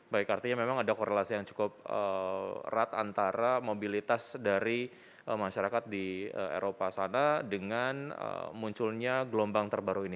baik artinya memang ada korelasi yang cukup erat antara mobilitas dari masyarakat di eropa sana dengan munculnya gelombang terbaru ini